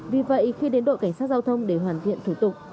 vì vậy khi đến đội cảnh sát giao thông để hoàn thiện thủ tục